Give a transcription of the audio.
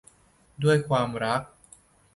ด้วยความรัก